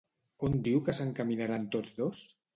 On diu que s'encaminaran tots dos?